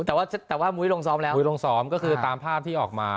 แต่ว่าแต่ว่ามุ้ยลงซ้อมแล้วมุ้ยลงซ้อมก็คือตามภาพที่ออกมา